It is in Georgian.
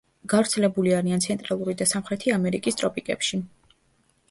გავრცელებული არიან ცენტრალური და სამხრეთი ამერიკის ტროპიკებში.